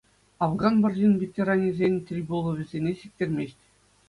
Афган вӑрҫин ветеранӗсен тӗл пулӑвӗсене сиктермест.